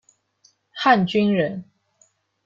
汉军人。